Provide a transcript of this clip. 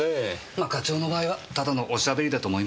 ま課長の場合はただのおしゃべりだと思いますけどね。